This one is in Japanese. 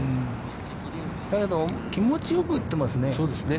だけど、気持ちよく打ってますね。